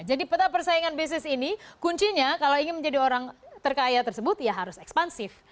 jadi peta persaingan bisnis ini kuncinya kalau ingin menjadi orang terkaya tersebut ya harus ekspansif